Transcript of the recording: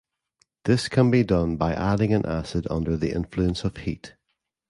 This can be done by adding an acid under the influence of heat.